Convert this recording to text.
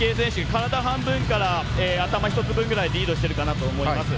体半分から、頭１つ分ぐらいリードしているかなと思います。